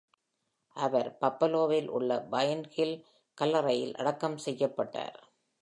அவர் பஃப்பலோவில் உள்ள Pine Hill கல்லறையில் அடக்கம் செய்யப்பட்டார்.